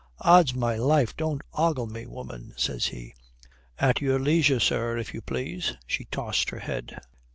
"Ods my life, don't ogle me, woman," says he. "At your leisure, sir, if you please." She tossed her head.